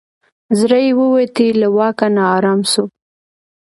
زړه یې ووتی له واکه نا آرام سو